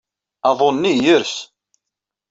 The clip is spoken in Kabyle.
Aḍu-nni yers.